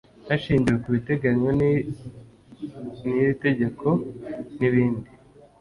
hashingiwe ku biteganywa n iri tegeko n ibindi